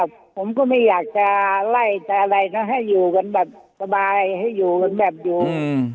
ผมก็ไม่อยากจะไล่จะอะไรนะให้อยู่กันแบบสบายให้อยู่กันแบบอยู่